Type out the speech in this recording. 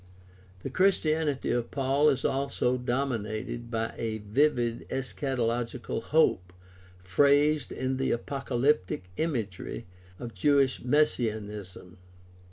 The Christianity of Paul is also dominated by a vivid eschatological hope phrased in the apocalyptic imagery of Jewish messianism.